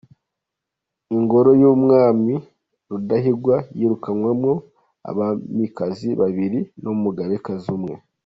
Ingoro y’Umwami Rudahigwa yirukanywemo abamikazi babiri n’umugabekazi umwe